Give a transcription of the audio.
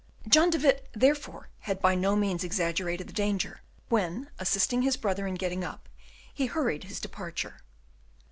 John de Witt, therefore, had by no means exaggerated the danger, when, assisting his brother in getting up, he hurried his departure.